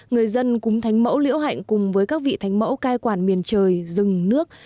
người dân cúng thánh mẫu liễu hạnh cùng với các vị thánh mẫu cai quản miền trời rừng nước